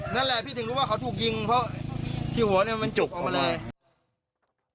นั่นแหละพี่ถึงรู้ว่าเขาถูกยิงเพราะที่หัวเนี่ยมันจุกออกมาเลย